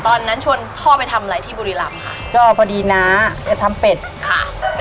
ตอนนั้นชวนพ่อไปทำอะไรที่บุรีรำค่ะก็พอดีน้าจะทำเป็ดค่ะ